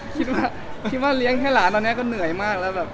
คิดว่าแล้วง่วงเเหล้งแค่หลานหน่อยก็แหนื่อยมาก